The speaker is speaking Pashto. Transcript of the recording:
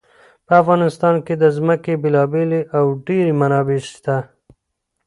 په افغانستان کې د ځمکه بېلابېلې او ډېرې منابع شته.